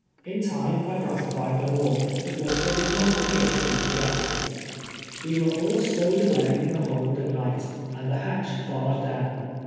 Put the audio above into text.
In time, I <i;ratilied them all, of which they did not appear to be fori; etful. We were all stowed away in tlie hold at nii; ht, and tlie liatch barred doNvn.